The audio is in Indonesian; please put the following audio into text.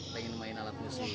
pengen main alat musik